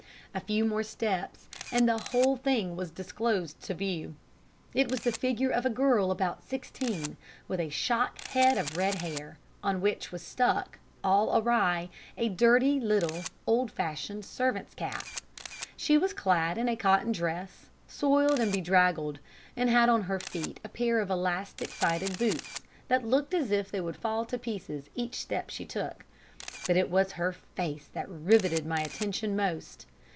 A few more steps, and the whole thing was disclosed to view. It was the figure of a girl of about sixteen, with a shock head of red hair, on which was stuck, all awry, a dirty little, old fashioned servant's cap. She was clad in a cotton dress, soiled and bedraggled, and had on her feet a pair of elastic sided boots, that looked as if they would fall to pieces each step she took. But it was her face that riveted my attention most.